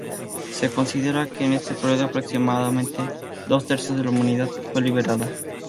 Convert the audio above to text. Se considera que en este periodo aproximadamente dos tercios de la humanidad fue liberada.